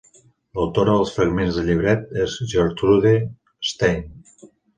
L'autora dels fragments de llibret és Gertrude Stein.